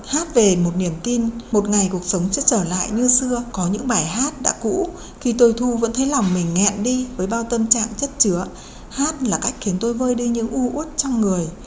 hát về một niềm tin một ngày cuộc sống chất trở lại như xưa có những bài hát đã cũ khi tôi thu vẫn thấy lòng mình nghẹn đi với bao tâm trạng chất chứa hát là cách khiến tôi vơi đi những u út trong người